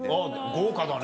豪華だね。